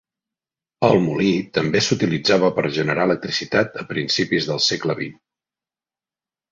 El molí també s'utilitzava per generar electricitat a principis del segle XX.